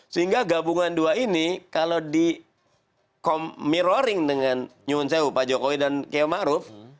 sehingga gabungan dua ini kalau di mirroring dengan nyun sewu pak jokowi dan k maruf